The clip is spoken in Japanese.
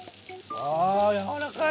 ああやわらかい！